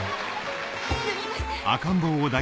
すみません！